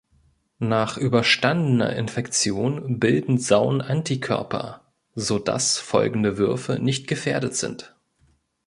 Nach überstandener Infektion bilden Sauen Antikörper, so dass folgende Würfe nicht gefährdet sind.